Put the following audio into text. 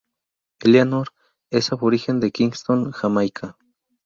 Eleanor es aborigen de Kingston, Jamaica.